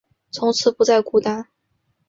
从此不再孤单